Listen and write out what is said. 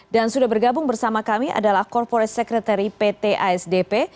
dan sudah bergabung bersama kami adalah corporate secretary pt asdp